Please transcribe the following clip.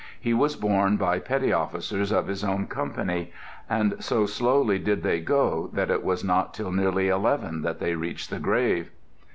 He was borne by petty officers of his own company, and so slowly did they go that it was not till nearly eleven that they reached the grave.